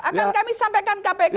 akan kami sampaikan kpk